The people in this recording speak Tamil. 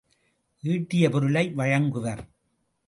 ஈட்டிய பொருளை வழங்குவர்.